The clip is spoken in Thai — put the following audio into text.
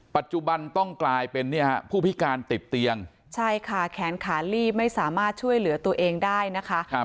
ปัจจุบันต้องกลายเป็นเนี่ยฮะผู้พิการติดเตียงใช่ค่ะแขนขาลีบไม่สามารถช่วยเหลือตัวเองได้นะคะ